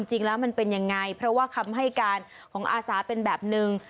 จริงแล้วมันเป็นยังไงเพราะว่าคำให้การของอาสาเป็นแบบหนึ่ง